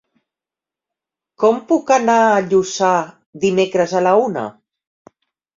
Com puc anar a Lluçà dimecres a la una?